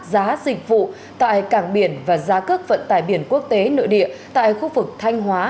giá dịch vụ tại cảng biển và giá cước vận tải biển quốc tế nội địa tại khu vực thanh hóa